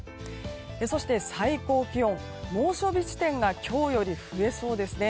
そして最高気温、猛暑日地点が今日より増えそうです。